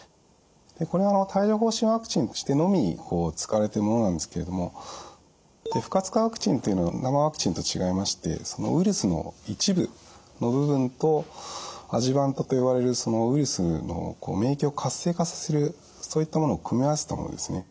これは帯状ほう疹ワクチンとしてのみ使われているものなんですけれども不活化ワクチンというのは生ワクチンと違いましてウイルスの一部の部分とアジュバントと呼ばれるウイルスの免疫を活性化させるそういったものを組み合わせたものですね。